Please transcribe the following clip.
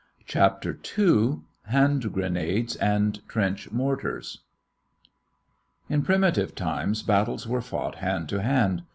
CHAPTER II HAND GRENADES AND TRENCH MORTARS In primitive times battles were fought hand to hand.